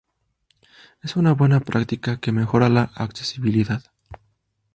Es una buena práctica que mejora la accesibilidad.